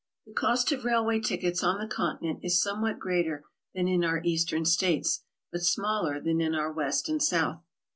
The cost of railway tickets on the Continent is somewhat greater than in our Eastern States, but smaller than in our West and South.